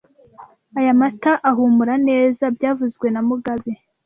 Aya mata ahumura neza byavuzwe na mugabe